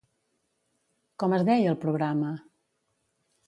Com es deia el programa?